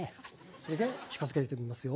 それで近づけてみますよ。